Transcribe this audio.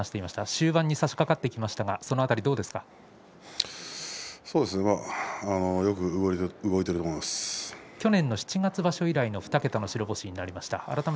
終盤にさしかかってきますがよく動いていると去年の七月場所以来の２桁の白星になりました。